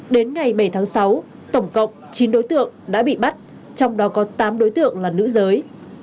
đến ngày bảy tháng sáu tổng cộng chín đối tượng đã bị bắt trong đó có tám đối tượng là nữ giới